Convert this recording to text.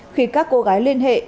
khi các cô gái liên hệ